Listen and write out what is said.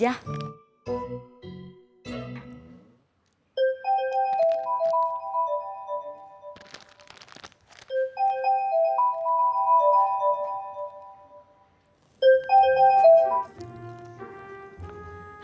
ini mah biasa aja